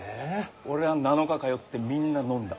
俺は７日通ってみんな飲んだ。